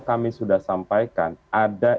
kami sudah sampaikan ada